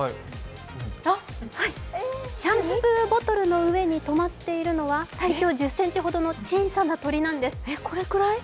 シャンプーボトルの上に止まっているのは体長１０ｃｍほどの小さな鳥なんです。